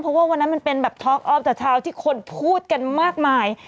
แต่ชาวที่คนพูดกันมากมาย